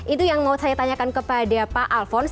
itu yang mau saya tanyakan kepada pak alphonse